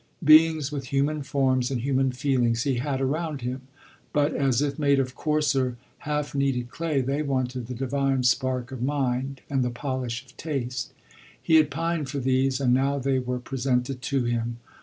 Beings with human forms and human feelings he had around him ; but, as if made of coarser, half kneaded clay, they wanted the divine spark of mind and the polish of tas; He had pined for these, and now they were presented to him.